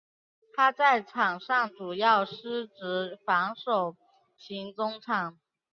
他在场上主要司职防守型中场。